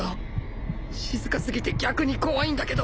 静か過ぎて逆に怖いんだけど